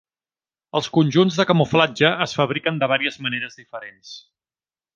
Els conjunts de camuflatge es fabriquen de varies maneres diferents.